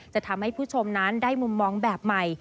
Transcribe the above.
จะทำให้ผู้ชมนั้นได้มุมมองแบบใหม่